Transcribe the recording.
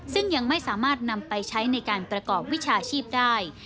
ซึ่งยังไม่สามารถนำไปใช้ในการประกอบวิชาชีพได้